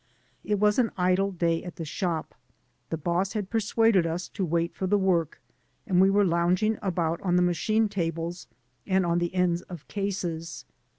It was an idle day at the shop. The boss had persuaded us to wait for the work, and we were lounging about on the machine tables and on the ends of cases.